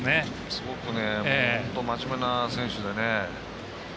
すごく真面目な選手でね。